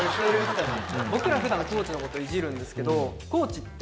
僕ら普段地のこといじるんですけど。